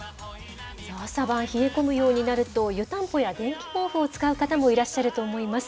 朝晩冷え込むようになると、湯たんぽや電気毛布を使う方もいらっしゃると思います。